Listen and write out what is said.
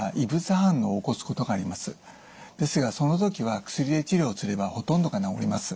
ですがその時は薬で治療すればほとんどが治ります。